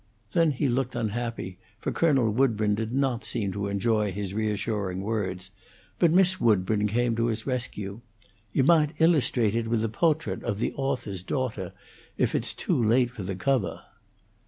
Then he looked unhappy, for Colonel Woodburn did not seem to enjoy his reassuring words; but Miss Woodburn came to his rescue. "You maght illustrate it with the po'trait of the awthoris daughtaw, if it's too late for the covah."